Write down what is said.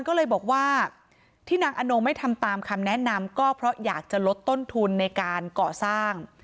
ก็เลยบอกว่าที่นางอนงไม่ทำตามคำแนะนำก็เพราะอยากจะลดต้นทุนในการก่อสร้าง